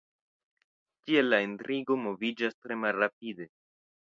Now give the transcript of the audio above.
Tiel la intrigo moviĝas tre malrapide.